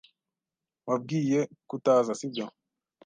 Wabwiye kutaza, sibyo?